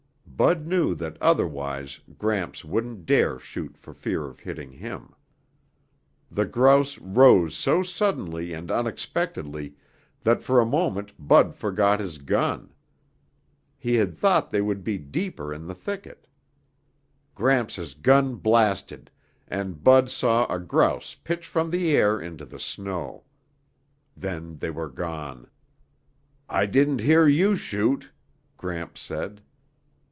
Bud knew that otherwise Gramps wouldn't dare shoot for fear of hitting him. The grouse rose so suddenly and unexpectedly that for a moment Bud forgot his gun. He had thought they would be deeper in the thicket. Gramps' gun blasted, and Bud saw a grouse pitch from the air into the snow. Then they were gone. "I didn't hear you shoot," Gramps said.